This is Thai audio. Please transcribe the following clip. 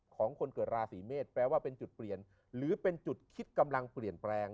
ของคนเกิดราศีเมษแปลว่าเป็นจุดเปลี่ยนหรือเป็นจุดคิดกำลังเปลี่ยนแปลง